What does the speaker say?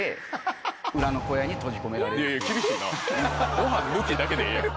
ごはん抜きだけでええやん